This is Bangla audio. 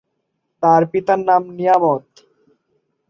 তাঁর পিতার নাম নিয়ামত।